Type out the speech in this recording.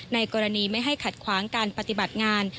ในกรณีไม่ให้ขัดขวางการปฏิบัติงาน